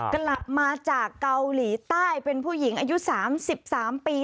กลับมาจากเกาหลีใต้เป็นผู้หญิงอายุ๓๓ปี